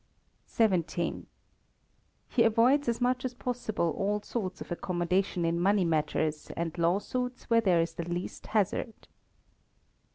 xvii. He avoids as much as possible all sorts of accommodation in money matters, and lawsuits where there is the least hazard.